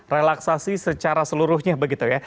relaksasi secara seluruhnya begitu ya